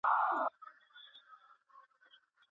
ښکلی خط بې زحمته نه دی.